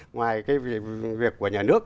ngoài việc của nhà nước